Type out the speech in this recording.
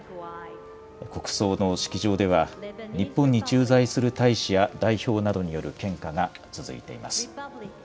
国葬の式場では、日本に駐在する大使や代表などによる献花が続いています。